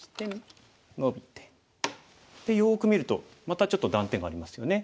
よく見るとまたちょっと断点がありますよね。